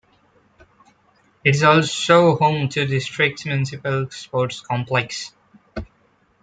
It is also home to the district's municipal sports complex.